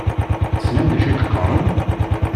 Teslam d acu i d-qqaṛen?